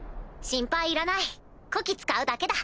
心配いらないこき使うだけだ。